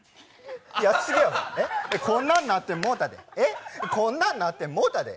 こんなんなってもうたで、え、こんなんなってもうたで。